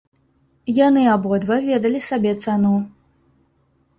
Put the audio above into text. Яны абодва ведалі сабе цану.